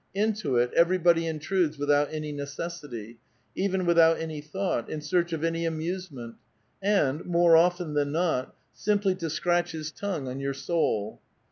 Into it everybody intrudes without any necessity, even without any thought, in search of any amuse ment, and, more often than not, simply to ^ scratch his tongue on your soul.'